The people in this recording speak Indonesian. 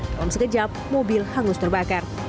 dalam sekejap mobil hangus terbakar